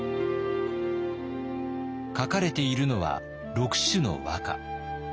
書かれているのは６首の和歌。